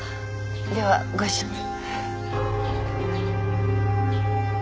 ではご一緒に。